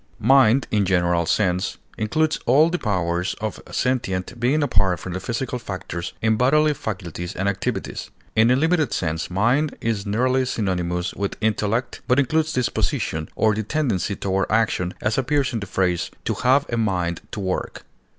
Mind, in a general sense, includes all the powers of sentient being apart from the physical factors in bodily faculties and activities; in a limited sense, mind is nearly synonymous with intellect, but includes disposition, or the tendency toward action, as appears in the phrase "to have a mind to work."